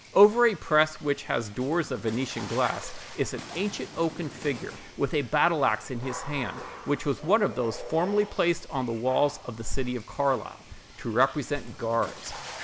Over a press, which has doors of Venetian glass, is an ancient oaken figure, with a battle axe in his hand, which was one of those formerly placed on the walls of the city of Carlisle, to represent guards.